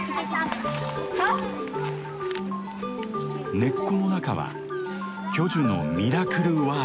根っこの中は巨樹のミラクルワールド。